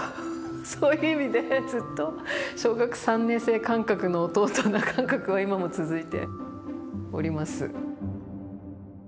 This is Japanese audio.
そういう意味でずっと小学３年生感覚の弟な感覚が今も続いております。